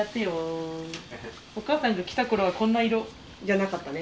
お母さんが来た頃はこんな色じゃなかったね。